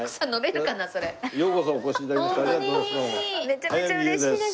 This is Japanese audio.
めちゃめちゃ嬉しいです。